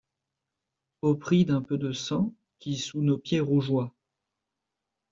Au prix d'un peu de sang qui sous nos pieds rougeoie ;